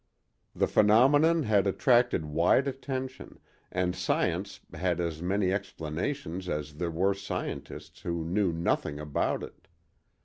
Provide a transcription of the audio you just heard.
The phenomenon had attracted wide attention, and science had as many explanations as there were scientists who knew nothing about it.